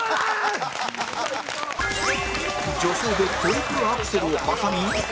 助走でトリプルアクセルを挟み